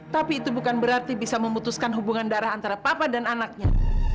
tapi itu bukan berarti bisa memutuskan hubungan darah antara papa dan anaknya